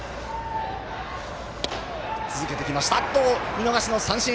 見逃し三振。